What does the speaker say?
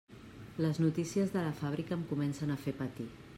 Les notícies de la fàbrica em comencen a fer patir.